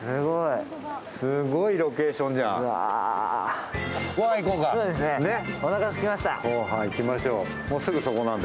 すごいロケーションじゃん。